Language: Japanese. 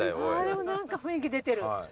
でも何か雰囲気出てる。